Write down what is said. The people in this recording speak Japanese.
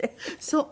そう。